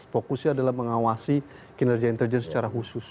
fokusnya adalah mengawasi kinerja intelijen secara khusus